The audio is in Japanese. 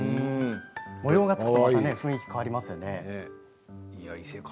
模様がつくとまた雰囲気が変わりますよね。